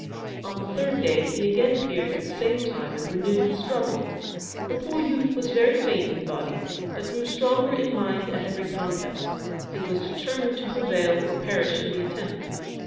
On the third day he again appeared at the same time and renewed the struggle. The poor youth was very faint in body, but grew stronger in mind at every contest, and was determined to prevail or perish in the attempt.